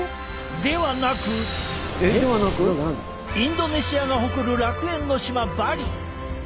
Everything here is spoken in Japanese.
ではなくインドネシアが誇る楽園の島バリ。